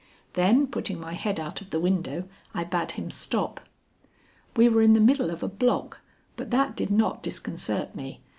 Then putting my head out of the window, I bade him stop. We were in the middle of a block, but that did not disconcert me.